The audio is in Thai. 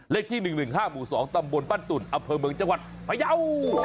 เลขที่๑๑๕หมู่๒ตำบลบ้านตุ่นอำเภอเมืองจังหวัดพยาว